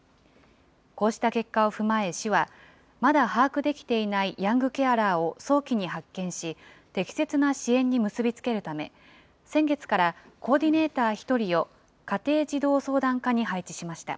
こうした結果を踏まえ市は、まだ把握できていないヤングケアラーを早期に発見し、適切な支援に結び付けるため、先月からコーディネーター１人を、家庭児童相談課に配置しました。